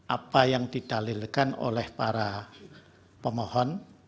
apa yang didalilkan oleh para pemohon